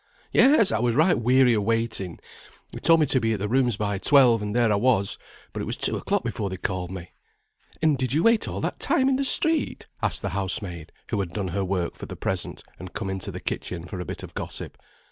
"Yes, I was right weary of waiting; they told me to be at the rooms by twelve; and there I was. But it was two o'clock before they called me." "And did you wait all that time in the street?" asked the housemaid, who had done her work for the present, and come into the kitchen for a bit of gossip.